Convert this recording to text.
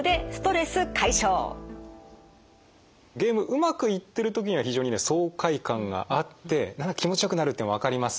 ゲームうまくいってる時には非常にね爽快感があって何か気持ちよくなるっていうのわかります。